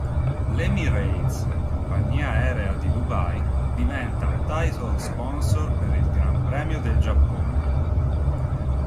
L'Emirates, compagnia aerea di Dubai, diventa "title sponsor" per il Gran Premio del Giappone.